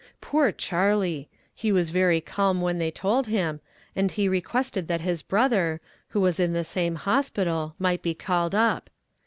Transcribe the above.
"Poor Charley! He was very calm when they told him, and he requested that his brother, who was in the same hospital, might be called up.